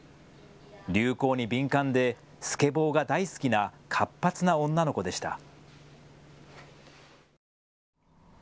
流行に敏感でスケボーが大好きな活発な女の子でした。